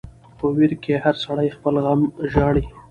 په ویر کی هر سړی خپل غم ژاړي .